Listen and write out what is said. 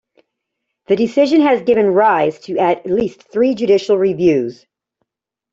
The decision has given rise to at least three Judicial Reviews.